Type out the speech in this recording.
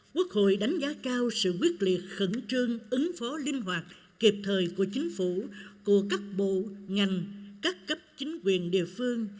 quốc hội đánh giá cao sự quyết liệt khẩn trương ứng phó linh hoạt kịp thời của chính phủ của các bộ ngành các cấp chính quyền địa phương